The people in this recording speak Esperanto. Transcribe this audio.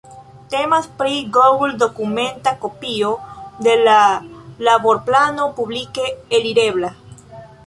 Temas pri google-dokumenta kopio de la laborplano publike alirebla.